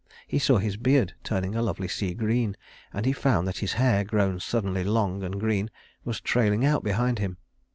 He saw his beard turning a lovely sea green; and he found that his hair, grown suddenly long and green, was trailing out behind him.